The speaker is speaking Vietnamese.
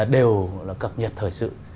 đều là cập nhật thời sự